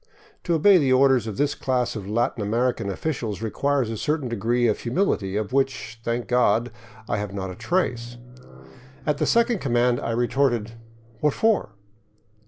To obey the orders of this class of Latin American officials requires a certain degree of humility, of which, thank God, I have not a trace. At the second command I retorted, "What for?"